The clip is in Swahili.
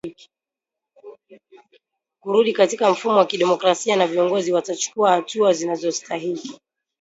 kurudi katika mfumo wa kidemokrasia na viongozi watachukua hatua zinazostahiki